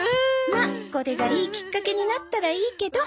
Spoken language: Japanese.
まあこれがいいきっかけになったらいいけど。